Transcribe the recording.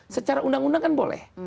secara undang undang kan boleh